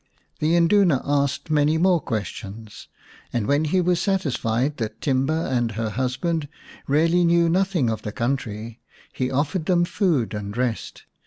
The Induna asked many more questions, and when he was satisfied that Timba and her husband really knew nothing of the country, he offered them food and rest.